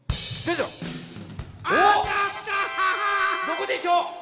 どこでしょう？